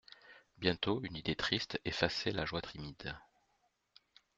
Bientôt une idée triste effaçait la joie timide.